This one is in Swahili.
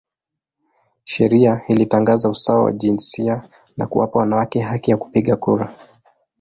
Sheria ilitangaza usawa wa jinsia na kuwapa wanawake haki ya kupiga kura.